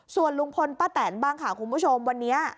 ส่วนลุงพลป้าแตนบ้างค่ะคุณผู้ชมวันนี้